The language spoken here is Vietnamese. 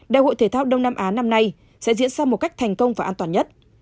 đại hội thể thao đông nam á năm nay sẽ diễn ra một cách thành công và an toàn nhất